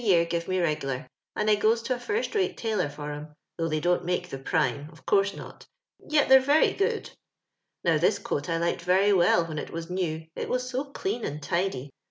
year gif» me zesflar, and I goes to a flrstnto tailor ftr 'em, though they don*t make the prime — oT ooarse not, yet thei^ ^r«iy good. Now this ooat I liked rm well wbm, it waa new, it was so dean and tidy.